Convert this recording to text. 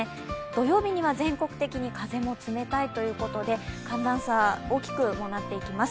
土曜日には全国的に風も冷たいということで寒暖差、大きくなっていきます。